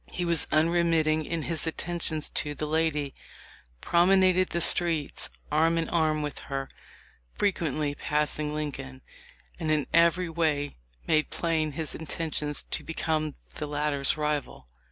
He was unremitting in his attentions to the lady, promenaded the streets arm in arm with her — frequently passing Lincoln — and in every way made plain his intention to become the latter's rival.